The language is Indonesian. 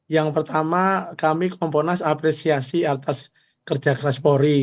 yang pertama kami komponas apresiasi atas kerja keras polri